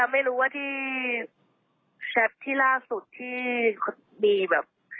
ไม่รู้ว่าที่แชทที่ล่าสุดที่มีแบบ